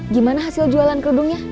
gimana hasil jualan kerudungnya